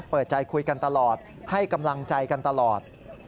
เปิดใจคุยกันตลอดให้กำลังใจกันตลอด